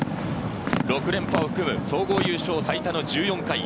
６連覇を含む総合優勝、最多の１４回。